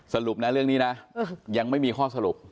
สรุปนะเรื่องนี้นะยังไม่มีข้อสรุป